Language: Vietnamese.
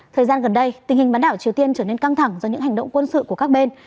thời gian gần đây tình hình bán đảo triều tiên trở nên căng thẳng do những hành động quân sự của các bên